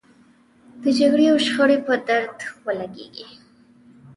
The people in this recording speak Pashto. د جګړې او شخړې په درد ولګېږي.